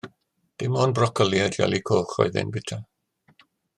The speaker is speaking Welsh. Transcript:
Dim ond brocoli a jeli coch oedd e'n bwyta.